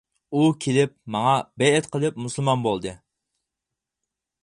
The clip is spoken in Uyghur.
ئۇ كېلىپ، ماڭا بەيئەت قىلىپ مۇسۇلمان بولدى.